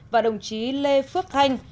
và đồng chí lê phước thanh